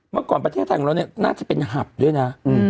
เมื่อก่อนประเทศไทยของเราเนี่ยน่าจะเป็นหับด้วยนะ